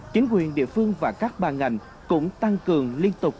chính quyền địa phương và các bà ngành cũng tăng cường liên tục